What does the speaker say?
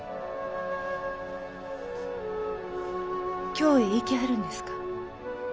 京へ行きはるんですか？